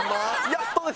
「やっとです！」